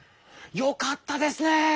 よかったですね！